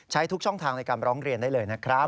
ทุกช่องทางในการร้องเรียนได้เลยนะครับ